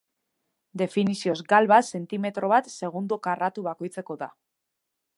Definizioz gal bat zentimetro bat segundo karratu bakoitzeko da.